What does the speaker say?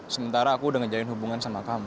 sementara aku udah ngejalin hubungan sama kamu